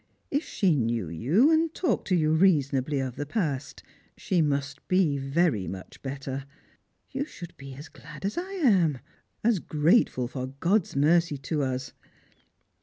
If she knew you and talked to you reasonably of the past, she must be very much better. You should be as glad as I am, as grateful for God's mercy to us."